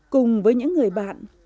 cùng với những người bạn